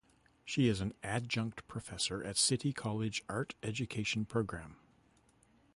She is an adjunct professor at City College Art Education program.